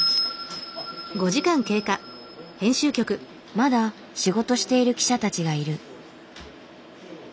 まだ仕事している記者たちがいる。